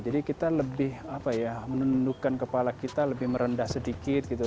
jadi kita lebih apa ya menundukkan kepala kita lebih merendah sedikit gitu